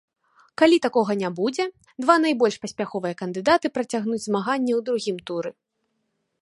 Калі такога не будзе, два найбольш паспяховыя кандыдаты працягнуць змаганне ў другім туры.